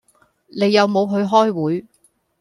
你有冇去開會